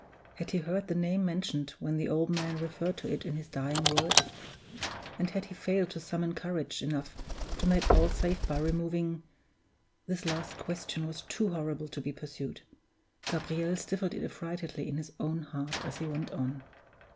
Had he heard the name mentioned, when the old man referred to it in his dying words? And had he failed to summon courage enough to make all safe by removing This last question was too horrible to be pursued; Gabriel stifled it affrightedly in his own heart as he went on.